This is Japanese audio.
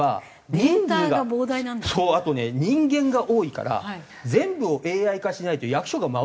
あとね人間が多いから全部をＡＩ化しないと役所が回らないんです。